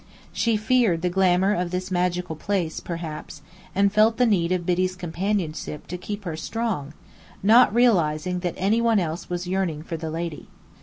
She feared the glamour of this magical place, perhaps, and felt the need of Biddy's companionship to keep her strong, not realizing that any one else was yearning for the lady.